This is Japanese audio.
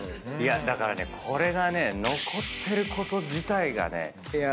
だからねこれがね残ってること自体がねすごいよ。